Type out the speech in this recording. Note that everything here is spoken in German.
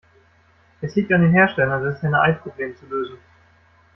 Es liegt an den Herstellern, das Henne-Ei-Problem zu lösen.